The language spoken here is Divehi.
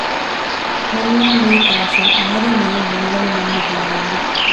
މަންމާ މީ ތާޝާ އަހަރެން މިހެން ބުނެލުމުން މަންމަ ހައިރާންވި